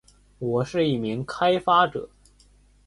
我是一名开发者